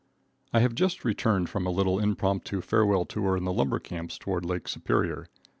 I have just returned from a little impromptu farewell tour in the lumber camps toward Lake Superior.